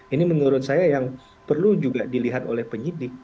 ini menurut saya yang perlu juga dilihat oleh penyidik